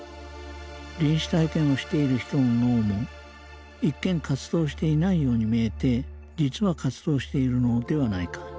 臨死体験をしている人の脳も一見活動していないように見えて実は活動しているのではないか。